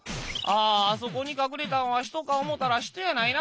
ああそこにかくれたんは人か思うたら人やないな」。